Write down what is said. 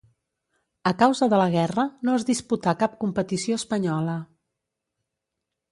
A causa de la guerra no es disputà cap competició espanyola.